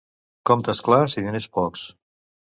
Comptes clars i diners pocs.